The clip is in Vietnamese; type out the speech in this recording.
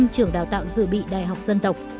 năm trường đào tạo dự bị đại học dân tộc